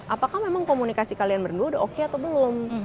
apakah memang komunikasi kalian berdua udah oke atau belum